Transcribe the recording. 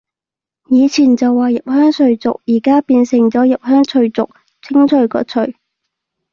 以前就話入鄉隨俗，而家變成入鄉除族，清除個除